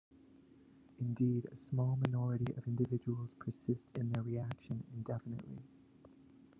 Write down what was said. Indeed a small minority of individuals persist in their reaction indefinitely.